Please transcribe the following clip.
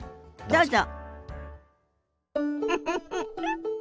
どうぞ。